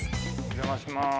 お邪魔します。